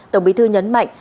tổng bí thư nhấn mạnh